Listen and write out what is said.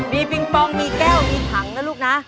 มีปิงปองมีแก้วมีถังนะลูกนะ